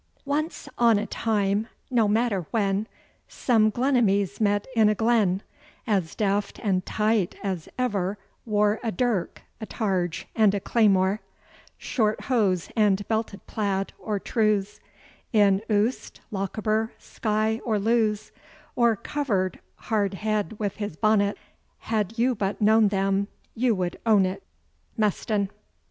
Once on a time, no matter when, Some Glunimies met in a glen; As deft and tight as ever wore A durk, a targe, and a claymore, Short hose, and belted plaid or trews, In Uist, Lochaber, Skye, or Lewes, Or cover'd hard head with his bonnet; Had you but known them, you would own it. MESTON.